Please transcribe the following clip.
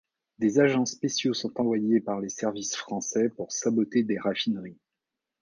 Des agents spéciaux sont envoyés par les services français pour saboter des raffineries.